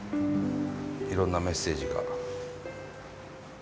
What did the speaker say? いろんなメッセージが。